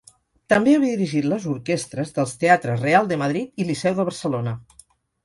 També havia dirigit les orquestres dels teatres Real de Madrid i Liceu de Barcelona.